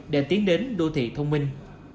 để tiến đến đô thị thông minh